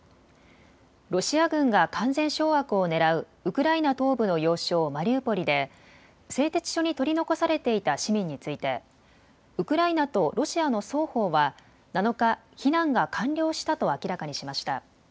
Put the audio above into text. ロシア軍が完全掌握をねらうウクライナ東部の要衝マリウポリで製鉄所に取り残されていた市民についてウクライナとロシアの双方は７日、避難が完了したと明らかにしました。